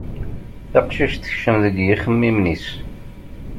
Taqcict tekcem deg yixemmimen-is.